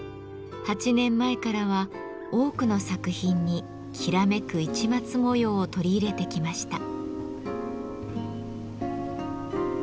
８年前からは多くの作品にきらめく市松模様を取り入れてきました。